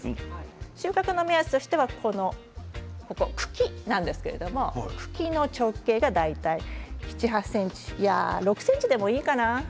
収穫の目安としては茎なんですけれども茎の直径が大体７、８ｃｍ６ｃｍでもいいかな。